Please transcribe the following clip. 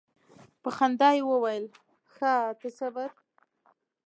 په خندا یې وویل ښه ته صبر.